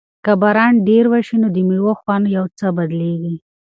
که باران ډېر وشي نو د مېوو خوند یو څه بدلیږي.